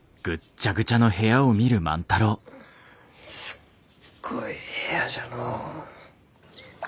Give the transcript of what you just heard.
すっごい部屋じゃのう。